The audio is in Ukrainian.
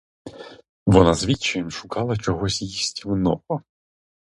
Вона з відчаєм шукала чогось їстівного.